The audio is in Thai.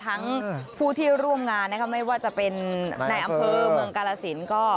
ทั้งผู้ที่ร่วมงานนะคะไม่ว่าจะเป็นในอำเภอเมืองกาลสินก็